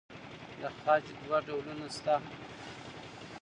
د خج دوه ډولونه شته.